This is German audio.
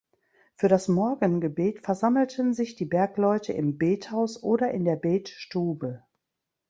Für das Morgengebet versammelten sich die Bergleute im Bethaus oder in der Betstube.